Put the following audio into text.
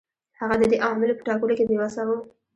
هغه د دې عواملو په ټاکلو کې بې وسه و.